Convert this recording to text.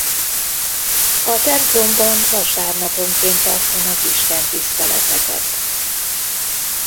A templomban vasárnaponként tartanak istentiszteleteket.